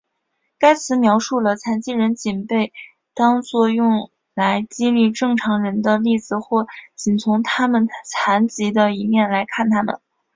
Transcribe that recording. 该词描述了残疾人仅被当做用来激励正常人的例子或仅从他们残疾的一面来看他们。